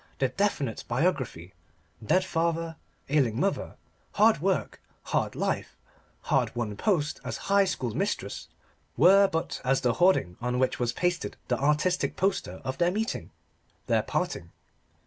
The definite biography dead father, ailing mother hard work hard life hard won post as High School Mistress, were but as the hoarding on which was pasted the artistic poster of their meeting their parting.